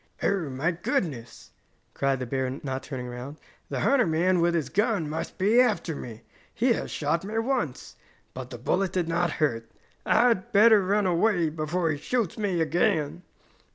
"Oh, my goodness!" cried the bear, not turning around. "The hunter man with his gun must be after me. He has shot me once, but the bullet did not hurt. I had better run away before he shoots me again!"